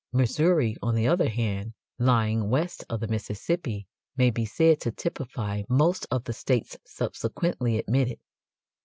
Missouri, on the other hand, lying west of the Mississippi, may be said to typify most of the states subsequently admitted.